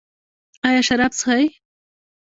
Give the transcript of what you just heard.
ایا شراب څښئ؟